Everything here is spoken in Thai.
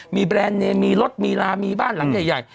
มีแบรนด์เนมมีรถมีลามีบ้านหลังใหญ่